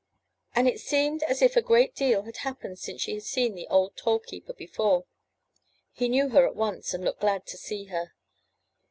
And it seemed as if a great deal had happened since she had seen the old toll keeper before. He knew her at once, and looked glad to see her.